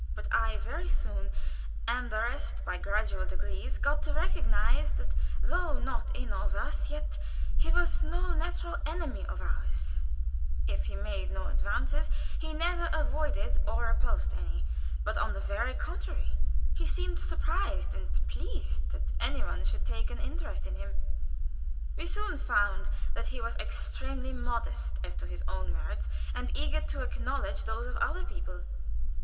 But I very soon, and the rest by gradual degrees, got to recognize that though in, not of us, yet he was no natural enemy of ours; if he made no advances, he never avoided or repulsed any, but on the very contrary, seemed surprised and pleased that any one should take an interest in him. We soon found that he was extremely modest as to his own merits and eager to acknowledge those of other people.